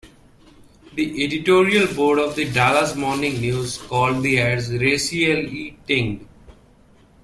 The editorial board of the "Dallas Morning News" called the ads "racially tinged".